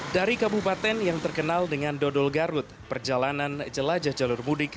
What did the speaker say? dari kabupaten yang terkenal dengan dodol garut perjalanan jelajah jalur mudik